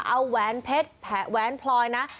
เอาแหวนเพชรแหวนพลอยนะ